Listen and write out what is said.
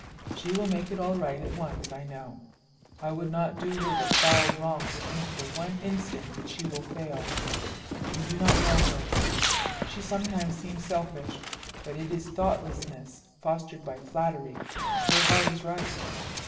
She will make it all right at once, I know. I would not do her the foul wrong to think for one instant that she will fail. You do not know her; she sometimes seems selfish, but it is thoughtlessness fostered by flattery, and her heart is right.